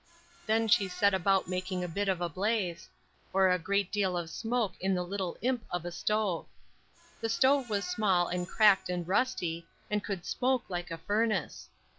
Then she set about making a bit of blaze, or a great deal of smoke in the little imp of a stove. The stove was small and cracked and rusty, and could smoke like a furnace.